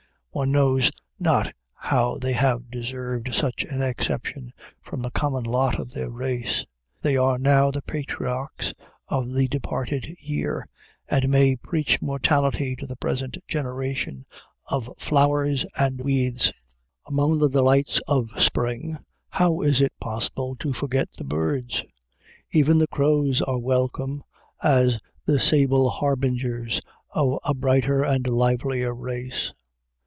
One knows not how they have deserved such an exception from the common lot of their race. They are now the patriarchs of the departed year, and may preach mortality to the present generation of flowers and weeds. Among the delights of spring, how is it possible to forget the birds? Even the crows were welcome, as the sable harbingers of a brighter and livelier race.